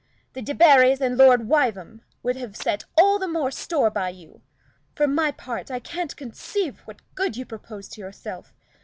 The Debarrys and Lord Wyvern would have set all the more store by you. For my part, I can't conceive what good you propose to yourself.